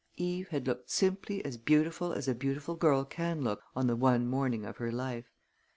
Eve had looked simply as beautiful as a beautiful girl can look on the one morning of her life.